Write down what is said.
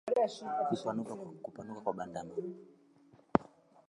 Kupanuka kwa bandama